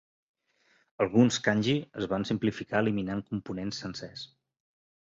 Alguns kanji es van simplificar eliminant components sencers.